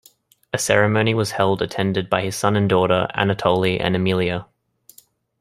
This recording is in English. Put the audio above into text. A ceremony was held attended by his son and daughter, Anatoly and Emiliya.